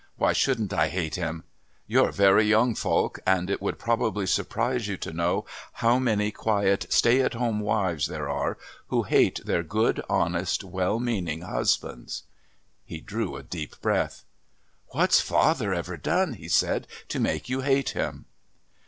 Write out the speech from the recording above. Why shouldn't I hate him? You're very young, Falk, and it would probably surprise you to know how many quiet stay at home wives there are who hate their good, honest, well meaning husbands." He drew a deep breath. "What's father ever done," he said, "to make you hate him?"